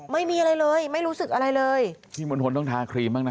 ไม่มีอะไรเลยไม่รู้สึกอะไรเลยพี่มณฑลต้องทาครีมบ้างนะ